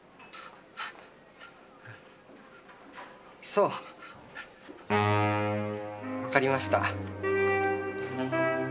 そう分かりました。